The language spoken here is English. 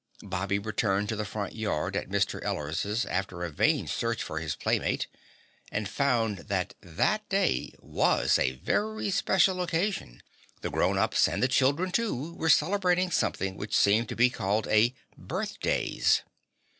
Bobby returned to the front yard at Mr. Eller's, after a vain search for his playmate, and found that that day was a very special occasion. The grown ups, and the children, too, were celebrating something which seemed to be called a "birthdays."